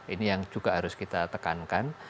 ini yang juga harus kita tekankan